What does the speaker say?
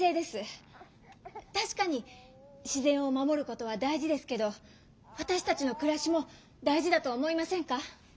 確かに自然を守ることは大事ですけどわたしたちのくらしも大事だと思いませんか？